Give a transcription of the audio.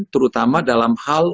terutama dalam hal